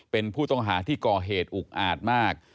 เป็นผู้ต้องหาที่ก่อเหตุอุกอาจมาก